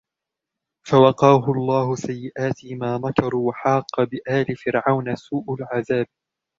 فَوَقَاهُ اللَّهُ سَيِّئَاتِ مَا مَكَرُوا وَحَاقَ بِآلِ فِرْعَوْنَ سُوءُ الْعَذَابِ